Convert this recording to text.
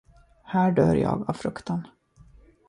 Här dör jag av fruktan.